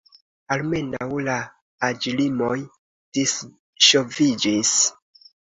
Almenaŭ la aĝlimoj disŝoviĝis.